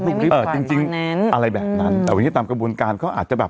หรือหลุมที่เอาจริงจริงอะไรแบบนั้นอืมแต่วันนี้ตามกระบวนการเขาอาจจะแบบ